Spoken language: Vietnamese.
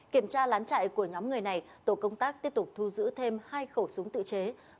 kiểm tra lán chạy của nhóm người này tổ công tác tiếp tục thu giữ thêm hai khẩu súng tự chế